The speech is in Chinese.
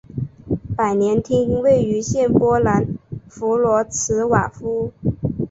百年厅位于现波兰弗罗茨瓦夫。